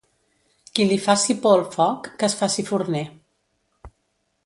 Qui li faci por el foc, que es faci forner.